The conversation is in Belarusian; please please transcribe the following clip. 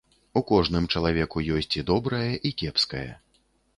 У кожным чалавеку ёсць і добрае і кепскае.